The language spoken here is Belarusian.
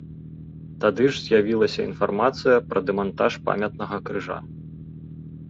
Тады ж з'явілася інфармацыя пра дэмантаж памятнага крыжа.